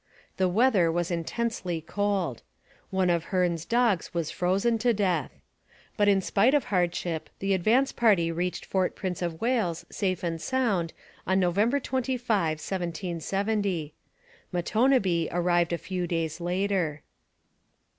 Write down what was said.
The weather was intensely cold. One of Hearne's dogs was frozen to death. But in spite of hardship the advance party reached Fort Prince of Wales safe and sound on November 25, 1770. Matonabbee arrived a few days later.